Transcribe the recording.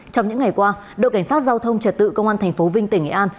trong những ngày qua đội cảnh sát giao thông trật tự công an tp vinh tỉnh nghệ an